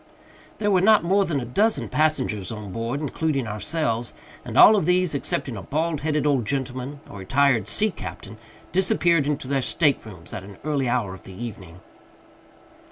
There were not more than a dozen passengers on board, including ourselves; and all of these, excepting a bald headed old gentleman a retired sea captain disappeared into their staterooms at an early hour of the evening.